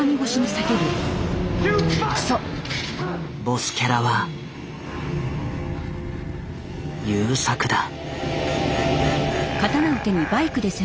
ボスキャラは優作だ。